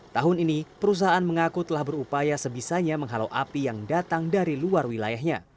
tahun ini perusahaan mengaku telah berupaya sebisanya menghalau api yang datang dari luar wilayahnya